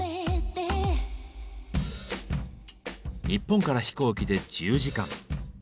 日本から飛行機で１０時間。